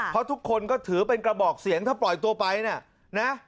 เพราะทุกคนก็ถือเป็นกระบอกเสียงถ้าปล่อยตัวไปเนี่ยนะ